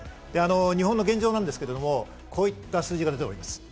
日本の現状ですがこういった数字が出ております。